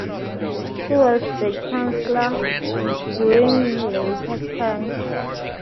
He was the chancellor during Later Tang.